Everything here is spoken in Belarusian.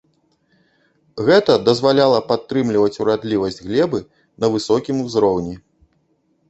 Гэта дазваляла падтрымліваць урадлівасць глебы на высокім узроўні.